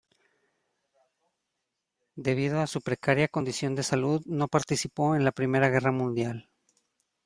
Debido a su precaria condición de salud, no participó en la Primera Guerra Mundial.